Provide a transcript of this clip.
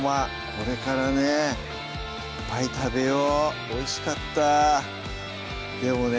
これからねいっぱい食べよおいしかったでもね